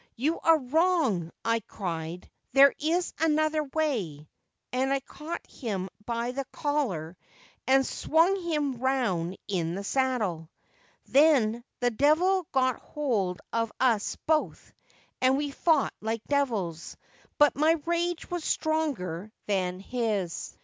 " You are wrong/' I cried, "there is another way !" and I caught him by the collar and swung him round in his saddle. Then the devil got hold of us both, and we fought like devils ; but my rage was stronger than his.